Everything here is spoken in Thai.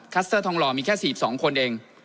สเตอร์ทองหล่อมีแค่๔๒คนเอง